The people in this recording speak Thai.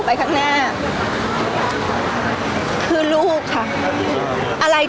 พี่ตอบได้แค่นี้จริงค่ะ